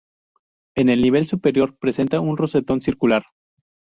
En el nivel superior presenta un rosetón circular.